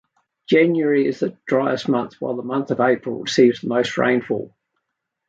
January is the driest month while the month of April receives the most rainfall.